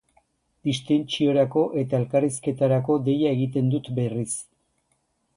Distentsiorako eta elkarrizketarako deia egiten dut berriz.